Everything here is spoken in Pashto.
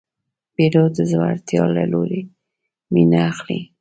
پیلوټ د زړورتیا له لورې مینه اخلي.